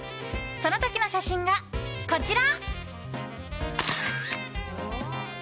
その時の写真が、こちら！